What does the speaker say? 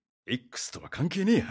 Ｘとは関係ねぇ